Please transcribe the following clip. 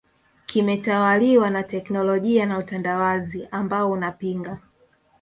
kimetawaliwa na teknolojia na utandawazi ambao unapinga